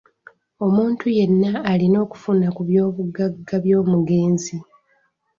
Omuntu yenna alina okufuna ku byobugagga by’omugenzi.